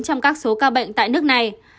trong các số ca bệnh tại nước này